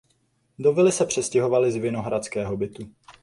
Do vily se přestěhovali z vinohradského bytu.